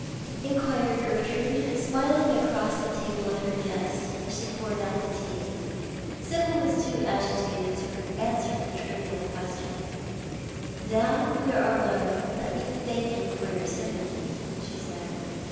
inquired Gertrude, smiling across the table at her guest, as she poured out the tea. Sibyl was too agitated to answer the trivial qiiestion. " Now we are alone let me thank you for your sympathy," she said.